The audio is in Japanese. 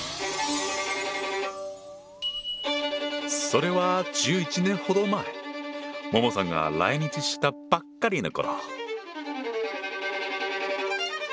それは１１年ほど前ＭＯＭＯさんが来日したばっかりの頃。